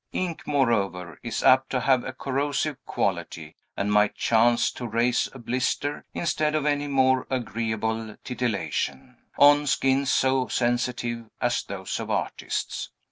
Ink, moreover, is apt to have a corrosive quality, and might chance to raise a blister, instead of any more agreeable titillation, on skins so sensitive as those of artists.